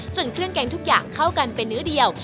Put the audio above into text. เครื่องแกงทุกอย่างเข้ากันเป็นเนื้อเดียว